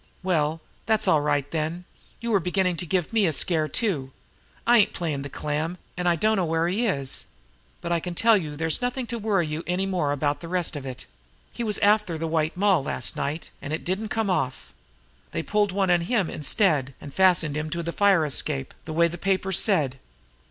"Well, that's all right, then. You were beginning to give me a scare, too. I ain't playin' the clam, and I dunno where he is; but I can tell you there's nothing to worry you any more about the rest of it. He was after the White Moll last night, and it didn't come off. They pulled one on him instead, and fastened him to the fire escape the way the papers said.